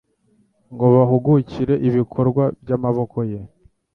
ngo bahugukire ibikorwa by’amaboko ye